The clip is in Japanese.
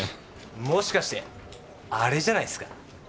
もしかして「あれ」じゃないすか？